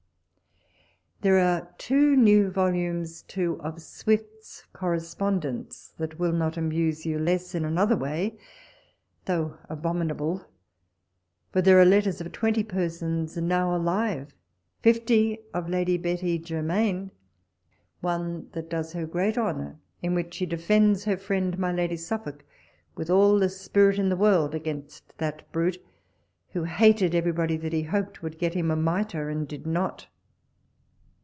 walpole's letters. 123 There are two new volumes, too, of Swift's Correspondence, that will not amuse you less in another way, though abominable, for there are letters of twenty persons now alive ; fifty of Lady Betty Germain, one that does her great honour, in which she defends her friend my Lady Suffolk, with all the spirit in the world, against that brute, who hated everybody that he hoped would get him a mitre, and did not.